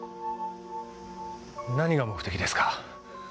何が目的ですか？